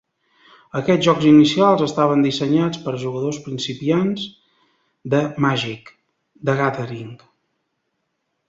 Aquests jocs inicials estaven dissenyats per a jugadors principiants de "Magic: The Gathering".